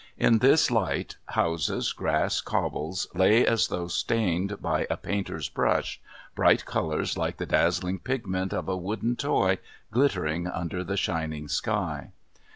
In this light houses, grass, cobbles lay as though stained by a painter's brush, bright colours like the dazzling pigment of a wooden toy, glittering under the shining sky.